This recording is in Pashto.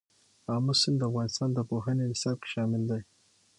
آمو سیند د افغانستان د پوهنې نصاب کې شامل دی.